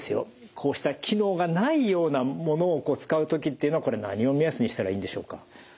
こうした機能がないようなものを使う時っていうのはこれは何を目安にしたらいいんでしょうか。